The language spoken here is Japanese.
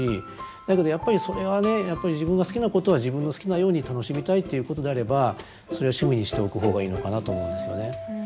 だけどやっぱりそれはね自分が好きなことは自分の好きなように楽しみたいっていうことであればそれは趣味にしておく方がいいのかなと思うんですよね。